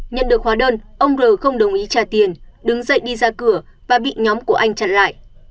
nhận được hóa đơn ông r không đồng ý trả tiền đứng dậy đi ra cửa và bị nhóm của anh chặn lại